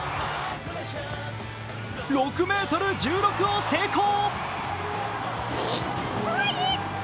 ６ｍ１６を成功！